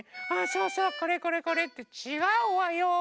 これこれこれ。ってちがうわよ！